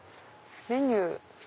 メニュー。